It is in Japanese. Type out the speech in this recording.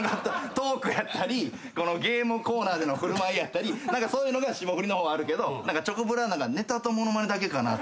トークやったりこのゲームコーナーでの振る舞いやったりそういうのが霜降りの方はあるけどチョコプラは何かネタと物まねだけかなって。